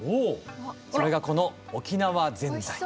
それがこの「沖縄ぜんざい」。